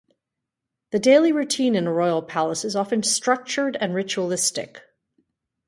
The daily routine in a royal palace is often structured and ritualistic.